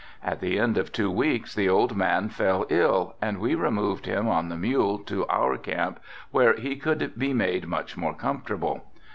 At the end of two weeks the old man fell ill and we removed him on the mule to our camp where he could be made much more comfortable.